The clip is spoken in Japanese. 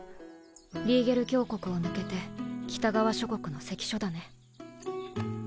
リーゲル峡谷を抜けて北側諸国の関所だね。